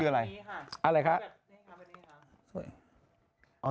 ตัวนั้นคืออะไร